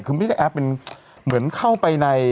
คือไม่ได้แอปเป็นเหมือนเข้าไปใน